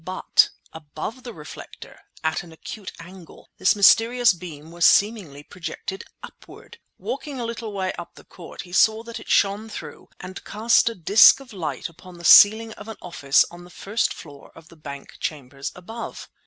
But above the reflector, at an acute angle, this mysterious beam was seemingly projected upward. Walking a little way up the court he saw that it shone through, and cast a disc of light upon the ceiling of an office on the first floor of Bank Chambers above.